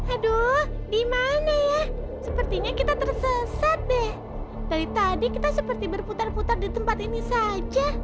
aduh gimana ya sepertinya kita tersesat deh dari tadi kita seperti berputar putar di tempat ini saja